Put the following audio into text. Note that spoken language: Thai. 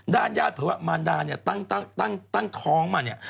ญาติเผยว่ามารดาเนี่ยตั้งท้องมาเนี่ย